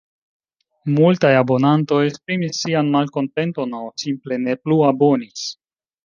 Multaj abonantoj esprimis sian malkontenton – aŭ simple ne plu abonis.